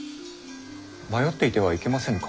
迷っていてはいけませぬか？